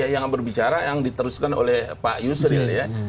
yang berbicara yang diteruskan oleh pak yusril ya